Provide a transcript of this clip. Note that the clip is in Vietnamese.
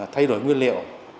thay đổi nguyên liệu